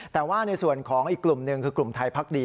แต่ว่าในส่วนของอีกกลุ่มหนึ่งคือกลุ่มไทยพักดี